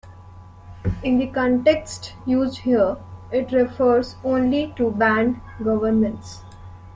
In the context used here, it refers only to band governments.